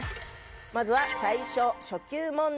まずは最初初級問題